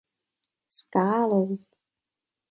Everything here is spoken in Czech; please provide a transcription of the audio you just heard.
Skálou.